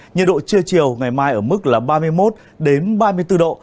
nhiệt độ trưa chiều ngày mai ở mức là ba mươi một ba mươi bốn độ